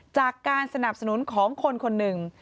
จากการสนับสนุนของคนคนหนึ่ง